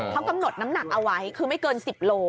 เขากำหนดน้ำหนักเอาไว้คือไม่เกิน๑๐โล